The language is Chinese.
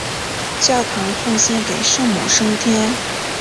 教堂奉献给圣母升天。